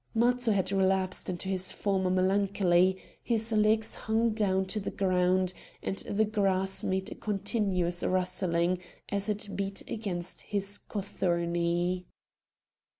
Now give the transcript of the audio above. Matho had relapsed into his former melancholy; his legs hung down to the ground, and the grass made a continuous rustling as it beat against his cothurni.